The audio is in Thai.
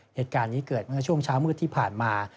เหตุการณ์นี้เกิดเมื่อช่วงเช้ามืดที่ผ่านมา